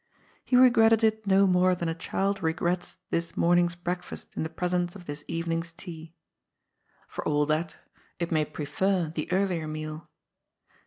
He regretted it no more than a child regrets this morning's breakfast in the presence of this evening's tea. For all that, it may prefer the earlier meal.